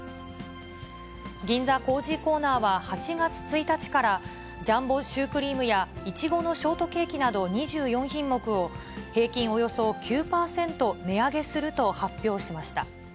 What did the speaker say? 銀座コージーコーナーは８月１日から、ジャンボシュークリームやイチゴのショートケーキなど２４品目を、平均およそ９％値上げすると発表しました。